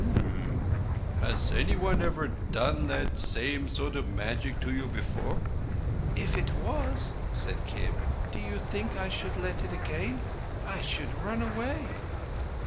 "Hm! Has anyone ever done that same sort of magic to you before?" "If it was," said Kim "do you think I should let it again? I should run away."